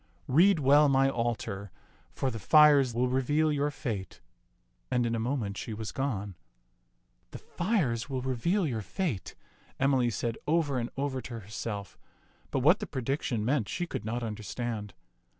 Read well my altar, for the fires will reveal your fate "; and in a moment she was gone. " *The fires will reveal your fate,* " Emily said over and over to herself, but what the prediction meant she could not understand.